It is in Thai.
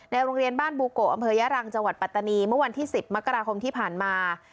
โรงเรียนบ้านบูโกอำเภอยะรังจังหวัดปัตตานีเมื่อวันที่๑๐มกราคมที่ผ่านมา